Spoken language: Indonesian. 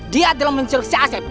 dia telah menculik si aset